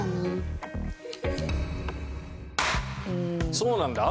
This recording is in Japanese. そうなんだよ。